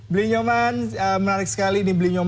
belinyoman menarik sekali ini belinyoman